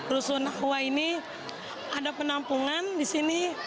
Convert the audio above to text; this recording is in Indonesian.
rusun hua ini ada penampungan di sini